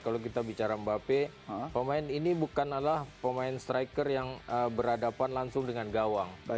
kalau kita bicara mbappe pemain ini bukanlah pemain striker yang berhadapan langsung dengan gawang